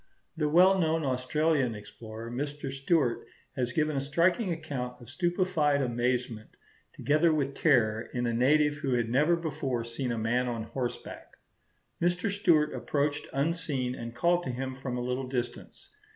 The well known Australian explorer, Mr. Stuart, has given a striking account of stupefied amazement together with terror in a native who had never before seen a man on horseback. Mr. Stuart approached unseen and called to him from a little distance.